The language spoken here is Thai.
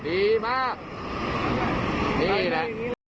นี่แหละ